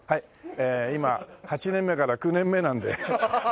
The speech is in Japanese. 今８年目から９年目なんで。